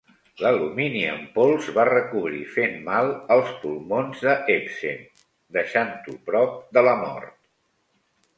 L'alumini en pols va recobrir fent mal als pulmons de Ebsen, deixant-ho prop de la mort.